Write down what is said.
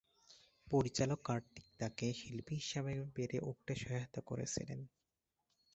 পরিচালক কার্তিক তাকে শিল্পী হিসেবে বেড়ে উঠতে সহায়তা করেছিলেন।